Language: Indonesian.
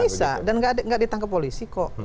bisa dan nggak ditangkap polisi kok